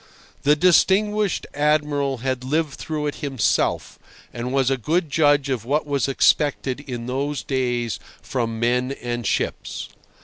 The distinguished Admiral had lived through it himself, and was a good judge of what was expected in those days from men and ships.